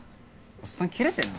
おっさんキレてんの？